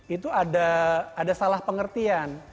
itu ada salah pengertian